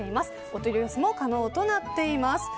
お取り寄せも可能となっています。